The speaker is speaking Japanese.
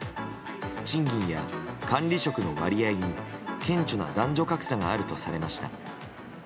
賃金や管理職の割合に、顕著な男女格差があるとされました。